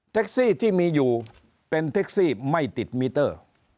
ซี่ที่มีอยู่เป็นเท็กซี่ไม่ติดมิเตอร์